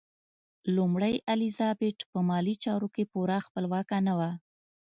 لومړۍ الیزابت په مالي چارو کې پوره خپلواکه نه وه.